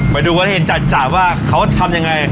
ไปดูกันให้เห็นจัดว่าเขาทำยังไง